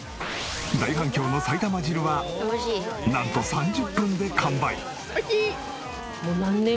大反響の埼玉汁はなんと３０分で完売。